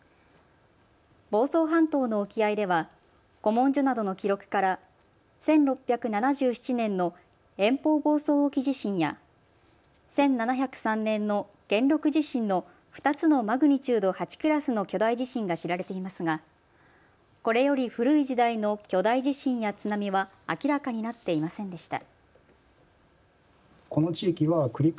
房総半島の沖合では古文書などの記録から１６７７年の延宝房総沖地震や１７０３年の元禄地震の２つのマグニチュード８クラスの巨大地震が知られていますがこれより古い時代の巨大地震や津波は明らかになっていませんでした。